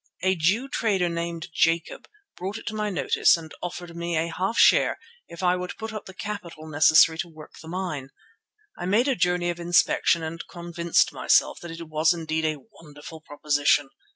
A Jew trader named Jacob brought it to my notice and offered me a half share if I would put up the capital necessary to work the mine. I made a journey of inspection and convinced myself that it was indeed a wonderful proposition.